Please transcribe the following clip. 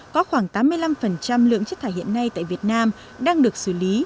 có khoảng tám mươi năm lượng chất thải hiện nay tại việt nam đang được xử lý